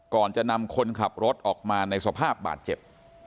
ก่อนจะนำคนขับรถออกมาในสภาพบาดเจ็บ